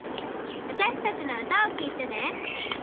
わたしたちのうたをきいてね！